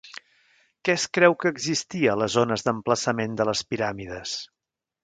Què es creu que existia a les zones d'emplaçament de les piràmides?